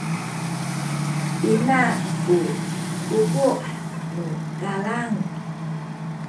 pina ku kuku’ nu kalang?